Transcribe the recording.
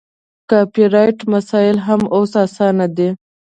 کاپي رایټ مسایل یې هم اوس اسانه دي.